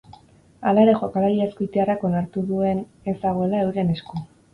Hala ere, jokalari azkoitiarrak onartu duen ez dagoela euren esku.